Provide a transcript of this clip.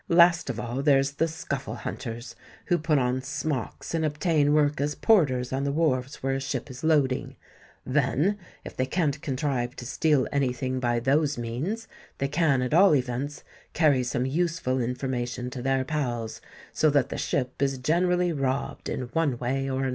Last of all there's the scuffle hunters, who put on smocks, and obtain work as porters on the wharfs where a ship is loading: then, if they can't contrive to steal any thing by those means, they can at all events carry some useful information to their pals—so that the ship is generally robbed in one way or another."